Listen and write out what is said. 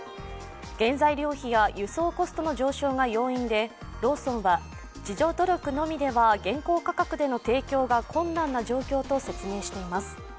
原材料費や輸送コストの上昇が要因でローソンは、自助努力のみでは現行価格での提供が困難な状況と説明しています。